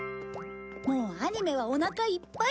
もうアニメはお腹いっぱい。